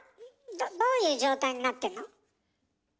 どういう状態になってんの？